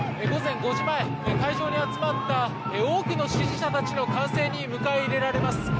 午前５時前、会場に集まった多くの支持者たちの歓声に迎え入れられます。